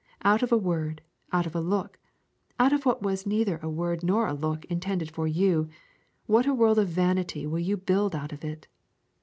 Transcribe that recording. Out of a word, out of a look, out of what was neither a word nor a look intended for you, what a world of vanity will you build out of it!